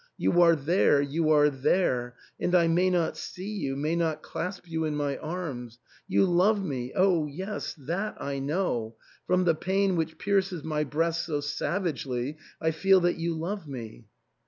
" You are there, you are there, and I may not see you, may not clasp you in my arms ! You love me, oh yes ! that I know. From the pain which pierces my breast so sav agely I feel that you love me."